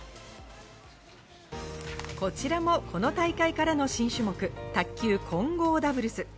こちらもこの大会からの新種目、卓球・混合ダブルス。